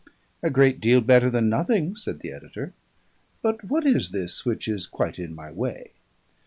"A great deal better than nothing," said the editor. "But what is this which is quite in my way?"